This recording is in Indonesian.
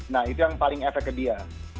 nah itu yang paling efek ke dia